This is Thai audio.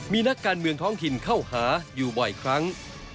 มีนักการเมืองท้องถิ่นเข้าหาอยู่บ่อยครั้ง